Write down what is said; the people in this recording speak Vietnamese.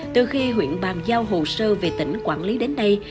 từ khi huyện bàn giao hồ sơ về tỉnh quản lý đến đây